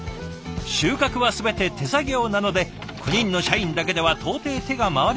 収穫は全て手作業なので９人の社員だけでは到底手が回りません。